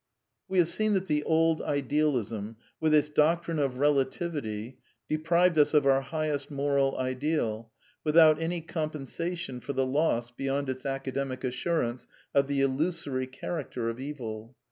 We have seen that the old Idealism, with its doctrine of relativity, deprived us of our highest moral ideal, with out any compensation for the loss beyond its academic as surance of the illusory character of evil.